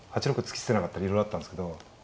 突き捨てなかったらいろいろあったんですけど。